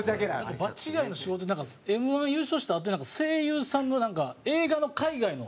場違いの仕事なんかＭ−１優勝したあとに声優さんのなんか映画の海外の。